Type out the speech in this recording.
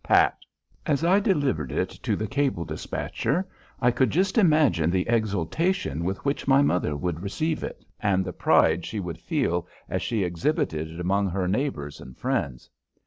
PAT. As I delivered it to the cable despatcher I could just imagine the exultation with which my mother would receive it and the pride she would feel as she exhibited it among her neighbors and friends.